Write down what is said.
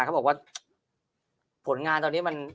เขาบอกว่าผลงานตอนนี้มัน